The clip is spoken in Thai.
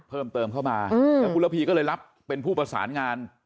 เพิ่มเติมเข้ามาแล้วคุณระพีก็เลยรับเป็นผู้ประสานงาน